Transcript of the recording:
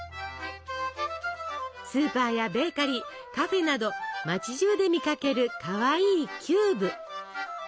スーパーやベーカリーカフェなど町じゅうで見かけるかわいいキューブ。